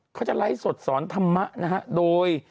เขาจะไล่สดสอนธรรมนะครับโดย